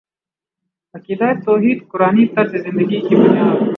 عقیدہ توحید قرآنی طرزِ زندگی کی بنیاد